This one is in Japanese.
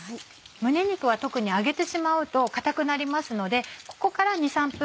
胸肉は特に揚げてしまうと硬くなりますのでここから２３分